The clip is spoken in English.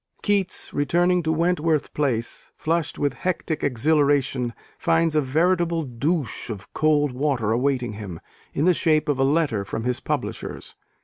Keats, returning to Wentworth Place flushed with hectic exhilaration, finds a veritable douche of cold water awaiting him, in the shape of a letter from his publishers.